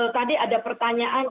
tadi ada pertanyaan